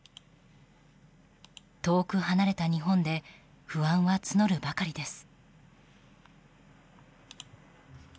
遠く離れた日本で不安は募るばかりです。